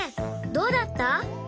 どうだった？